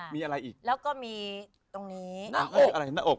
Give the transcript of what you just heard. มีอะไรอีกแล้วก็มีตรงนี้หน้าอก